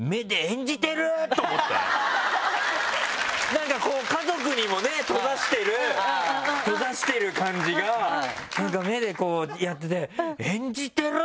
なんかこう家族にもね閉ざしてる閉ざしてる感じがなんか目でこうやってて。